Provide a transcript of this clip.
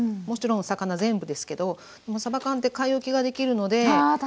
もちろんお魚全部ですけどでもさば缶って買い置きができるのでああ